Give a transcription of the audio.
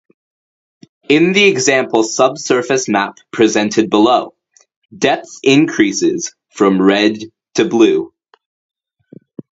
In the example subsurface map presented below, depth increases from red to blue.